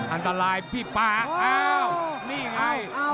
อันตรายพี่ป่าอ้าวนี่ไง